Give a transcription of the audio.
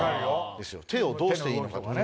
手をどうしていいのかとか。